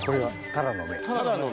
タラの芽。